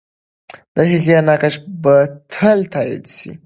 د هغې نقش به تل تایید سي.